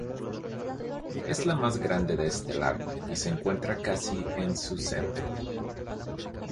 Es la más grande de este lago y se encuentra casi en su centro.